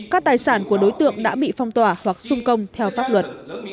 các tài sản của đối tượng đã bị phong tỏa hoặc sung công theo pháp luật